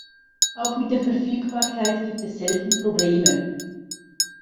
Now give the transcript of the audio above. Auch mit der Verfügbarkeit gibt es selten Probleme.